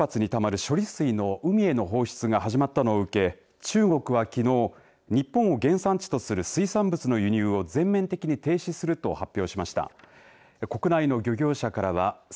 福島第一原発にたまる処理水の海への放出が始まったのを受け中国は、きのう日本を原産地とする水産物の輸入を全面的に停止すると発表しました。